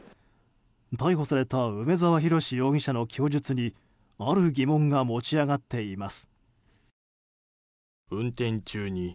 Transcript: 逮捕された梅沢洋容疑者の供述にある疑問が持ち上がっています。